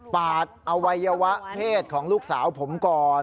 ปาดอวัยวะเพศของลูกสาวผมก่อน